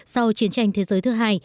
sau chiến tranh thế giới thứ hai